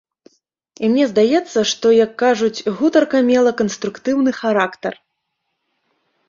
І мне здаецца, што, як кажуць, гутарка мела канструктыўны характар.